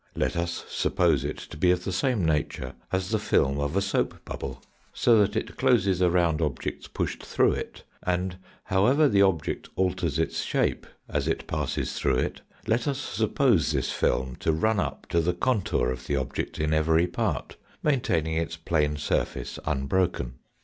Let us suppose it to be of the same nature as the film of a soap bubble, so that NOMENCLATIVE AND ANALOGIES 147 Null it closes around objects pushed through it, and, however the object alters its shape as it passes through it, let us suppose this film to run up to the contour of the object in every part, maintaining its plane surface unbroken.